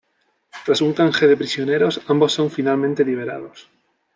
Tras un canje de prisioneros, ambos son finalmente liberados.